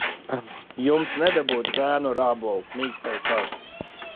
"Jums nedabūt "Zēnu ar ābolu", mīkstais tāds!"